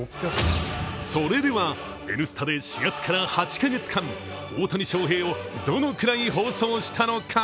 それでは「Ｎスタ」で４月から８カ月間、大谷翔平をどのくらい放送したのか。